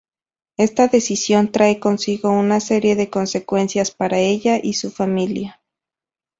Esta decisión trae consigo una serie de consecuencias para ella y su familia.